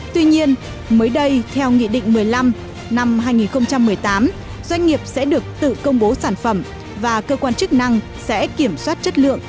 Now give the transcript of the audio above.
tuy nhiên mới đây theo nghị định một mươi năm năm hai nghìn một mươi tám doanh nghiệp sẽ được tự công bố sản phẩm và cơ quan chức năng sẽ kiểm soát chất lượng